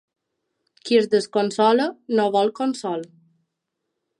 Qui es desconsola, no vol consol.